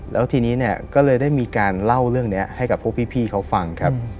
แล้วทีนี้เนี่ยก็เลยได้มีการเล่าเรื่องนี้ให้กับพวกพี่เขาฟังครับ